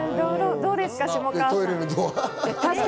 どうですか？